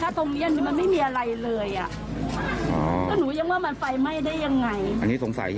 ถ้าครัวหนูอยู่หลังบ้านก็คือถ้าตรงเยี่ยมนี่มันไม่มีอะไรเลย